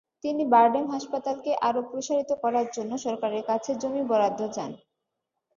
তিনি বারডেম হাসপাতালকে আরও প্রসারিত করার জন্য সরকারের কাছে জমি বরাদ্দ চান।